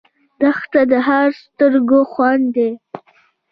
دښته د هر سترګو خوند دی.